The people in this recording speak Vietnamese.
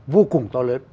vô cùng to lớn